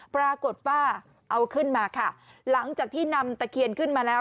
ปรากฏว่าเอาขึ้นมาค่ะหลังจากที่นำตะเคียนขึ้นมาแล้ว